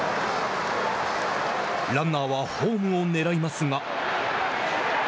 ランナーはホームを狙いますが。